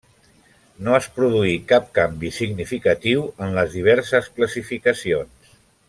No es produí cap canvi significatiu en les diverses classificacions.